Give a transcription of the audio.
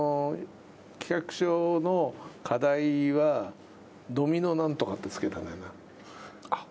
企画書の課題は「ドミノ何とか」って付けたんだよな。